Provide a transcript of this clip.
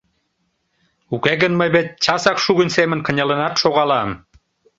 Уке гын мый вет часак шугынь семын кынелынат шогалам.